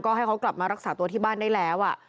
ก็ให้เขากลับมารักษาตัวที่บ้านได้แล้ว